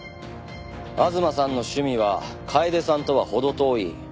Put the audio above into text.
吾妻さんの趣味は楓さんとは程遠い。